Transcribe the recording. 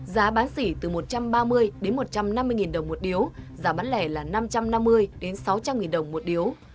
giá bán xỉ từ một trăm ba mươi đến một trăm năm mươi đồng một điếu giá bán lẻ là năm trăm năm mươi sáu trăm linh đồng một điếu